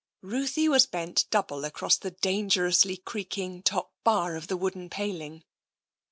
Ruthie was bent double across the dangerously creaking top bar of the wooden paling.